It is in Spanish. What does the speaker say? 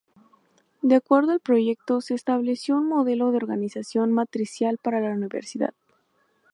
De acuerdo al proyecto se estableció un modelo de organización matricial para la Universidad.